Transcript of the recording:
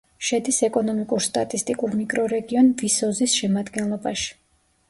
შედის ეკონომიკურ-სტატისტიკურ მიკრორეგიონ ვისოზის შემადგენლობაში.